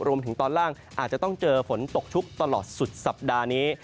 รวมถึงตอนล่างอาจจะต้องเจอฝนตกชุกตลอดสุดสัปดาห์นี้